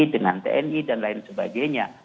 dengan tni dan lain sebagainya